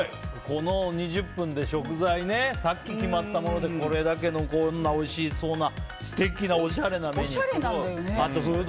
この２０分で食材さっき決まったものでこれだけのこんなおいしそうな素敵なおしゃれなメニュー。